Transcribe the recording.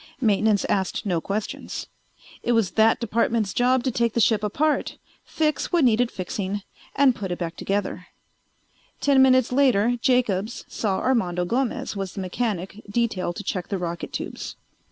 Maintenance asked no questions. It was that department's job to take the ship apart, fix what needed fixing, and put it. Ten minutes later Jacobs saw Armando Gomez was the mechanic detailed to check the rocket tubes.